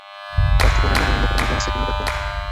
পার্থিপনের নামে অন্য কোনো মামলা আছে কিনা দেখো।